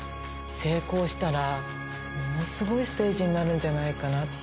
成功したら、ものすごいステージになるんじゃないかって。